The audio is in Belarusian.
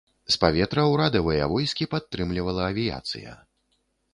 З паветра ўрадавыя войскі падтрымлівала авіяцыя.